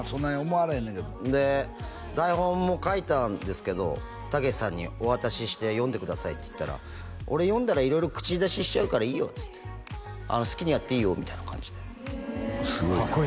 思われへんねんけどで台本も書いたんですけどたけしさんにお渡しして読んでくださいって言ったら「俺読んだら色々口出ししちゃうからいいよ」って「好きにやっていいよ」みたいな感じですごいなかっこ